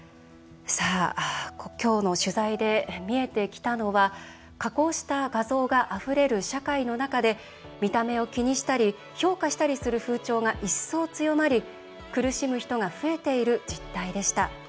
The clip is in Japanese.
今日の取材で見えてきたのは加工した画像があふれる社会の中で見た目を気にしたり評価したりする風潮が一層、強まり苦しむ人が増えている実態でした。